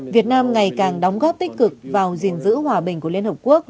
việt nam ngày càng đóng góp tích cực vào gìn giữ hòa bình của liên hợp quốc